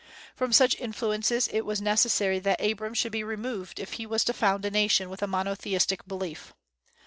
From such influences it was necessary that Abram should be removed if he was to found a nation with a monotheistic belief.